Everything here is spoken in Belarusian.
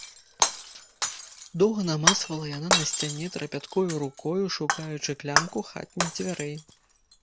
Доўга намацвала яна на сцяне, трапяткою рукою шукаючы клямку хатніх дзвярэй.